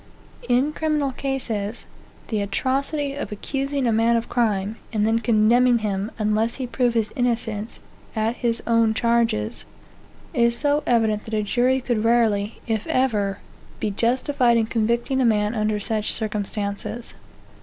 In criminal cases, the atrocity of accusing a man of crime, and then condemning him unless he prove his innocence at his own charges, is so evident that a jury could rarely, if ever, be justified in convicting a man under such circumstances.